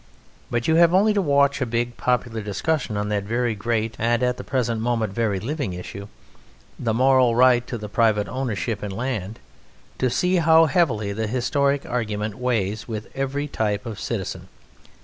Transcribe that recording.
But you have only to watch a big popular discussion on that very great and at the present moment very living issue, the moral right to the private ownership in land, to see how heavily the historic argument weighs with every type of citizen.